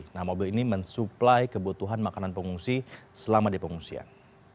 nah mobil ini mensuplai kebutuhan makanan pengungsi selama di pengungsian